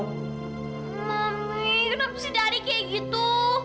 mami kenapa si daddy kayak gitu